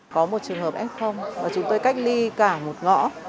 có một trường hợp s chúng tôi cách ly cả một ngõ